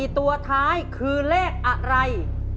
ตัวท้ายคือเลขอะไร